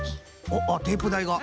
あっテープだいが。